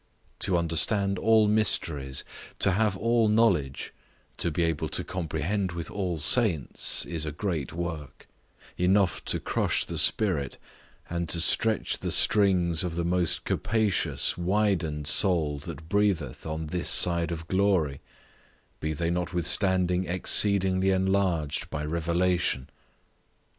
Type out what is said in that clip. To understand all mysteries, to have all knowledge, to be able to comprehend with all saints, is a great work; enough to crush the spirit, and to stretch the strings of the most capacious, widened soul that breatheth on this side glory, be they notwithstanding exceedingly enlarged by revelation.